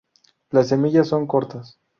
Las semillas son cortas.